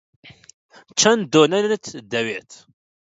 چەند دۆنەتت دەوێت؟